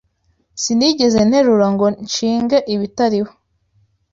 Sinigeze nterura Ngo nshinge ibitaliho